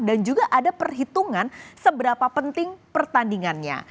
juga ada perhitungan seberapa penting pertandingannya